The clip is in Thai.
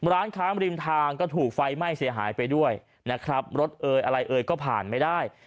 ร้านค้ามริมทางก็ถูกไฟไหม้เสียหายไปด้วยนะครับรถเอยอะไรเอ่ยก็ผ่านไม่ได้